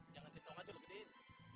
jangan ciptau aja lo gedein